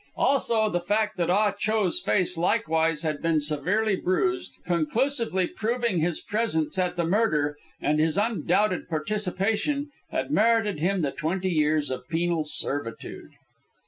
Also, the fact that Ah Cho's face likewise had been severely bruised, conclusively proving his presence at the murder and his undoubted participation, had merited him the twenty years of penal servitude.